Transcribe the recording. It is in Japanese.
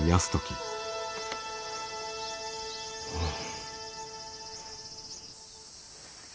うん。